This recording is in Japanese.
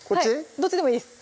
どっちでもいいです